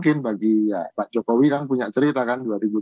mungkin bagi pak jokowi kan punya cerita kan